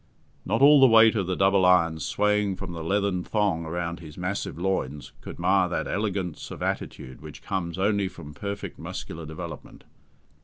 Not all the weight of the double irons swaying from the leathern thong around his massive loins, could mar that elegance of attitude which comes only from perfect muscular development.